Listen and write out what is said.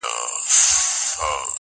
• ادب کي دا کيسه ژوندۍ ده..